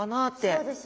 そうですよね。